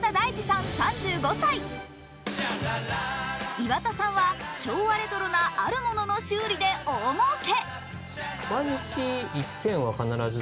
岩田さんは昭和レトロなあるものの修理で大もうけ。